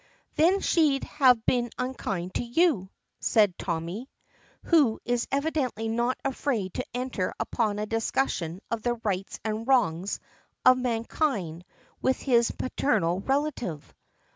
"Then she'd have been unkind to you," says Tommy, who is evidently not afraid to enter upon a discussion of the rights and wrongs of mankind with his paternal relative.